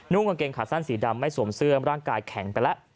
กางเกงขาสั้นสีดำไม่สวมเสื้อร่างกายแข็งไปแล้ว